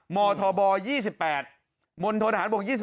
หมอทธวะบอร์๒๘มณฑฐฐานบวก๒๘